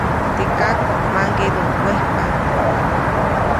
Teʼ kak maŋgeʼduʼuŋ wejpa.